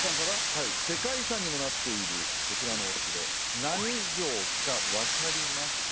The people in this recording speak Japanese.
はい世界遺産にもなっているこちらのお城何城か分かりますか？